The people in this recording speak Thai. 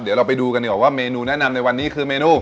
เดี๋ยวเราไปดูกันดีกว่าว่าเมนูแนะนำในวันนี้คือเมนู